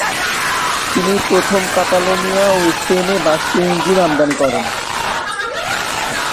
তিনি প্রথম কাতালোনিয়া ও স্পেনে বাষ্পীয় ইঞ্জিন আমদানি করেন।